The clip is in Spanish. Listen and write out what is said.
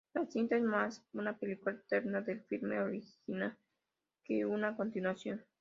La cinta es más una película alterna del filme original, que una continuación.